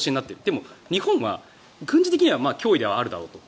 でも、日本は軍事的には脅威であるだろうと。